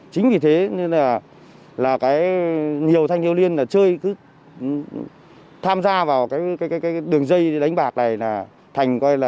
chính vì thế nên là nhiều thanh thiếu liên chơi tham gia vào cái đường dây đánh bạc này